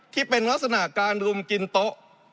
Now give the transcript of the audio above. ที่เป็นลักษณะการรุมกินโต๊ะ